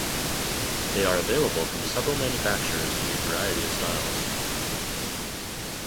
They are available from several manufacturers in a variety of styles.